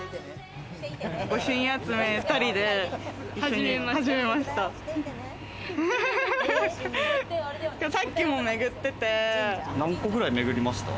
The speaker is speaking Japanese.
御朱印集め、２人で始めました。